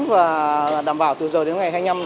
và đảm bảo từ giờ đến ngày hai mươi năm